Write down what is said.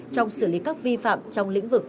trong xử lý các vi phạm trong lĩnh vực